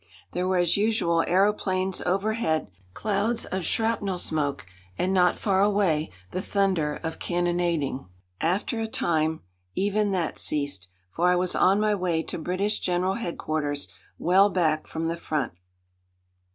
There were as usual aëroplanes overhead, clouds of shrapnel smoke, and not far away the thunder of cannonading. After a time even that ceased, for I was on my way to British General Headquarters, well back from the front.